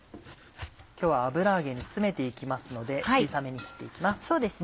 今日は油揚げに詰めて行きますので小さめに切って行きます。